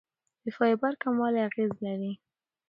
د فایبر کموالی اغېز لري.